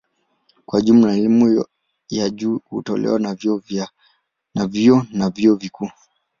Kwa jumla elimu ya juu hutolewa na vyuo na vyuo vikuu.